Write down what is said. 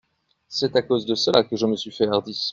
C’est à cause de cela que je me suis fait hardi !